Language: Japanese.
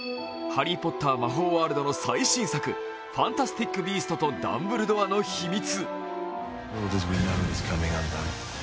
ハリー・ポッター魔法ワールドの最新作「ファンタスティック・ビーストとダンブルドアの秘密」。